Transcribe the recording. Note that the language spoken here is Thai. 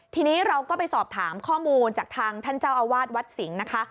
ทีนี้เราก็ไปสอบถามข้อมูลจากทางท่านเจ้าอาวาสวัดสิงห์นะคะ